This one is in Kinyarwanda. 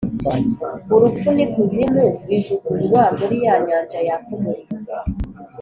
Urupfu n’Ikuzimu bijugunywa muri ya nyanja yaka umuriro.